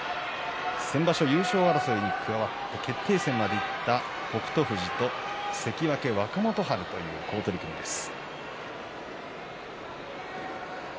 先場所優勝争いに加わって決定戦までいった北勝富士と関脇若元春という好取組です。